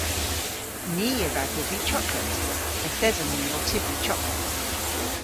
Ni a wra dybri choklet. Yth eson ni ow tybri choklet.